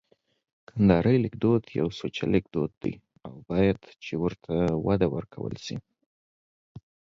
کندهارۍ لیکدود یو سوچه لیکدود دی او باید چي ورته وده ورکول سي